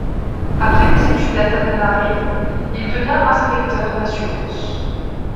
Après des études à Tananarive, il devient inspecteur d'assurances.